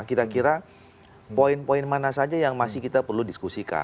kira kira poin poin mana saja yang masih kita perlu diskusikan